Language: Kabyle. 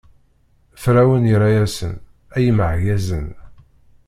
Ferɛun irra-asen: Ay imeɛgazen!